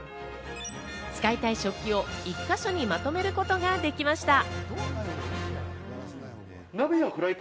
使いたい食器を１箇所にまとめることができました。